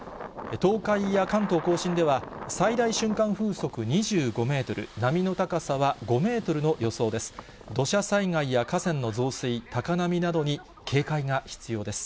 東海や関東甲信では、最大瞬間風速２５メートル、波の高さは５メートルの予想です。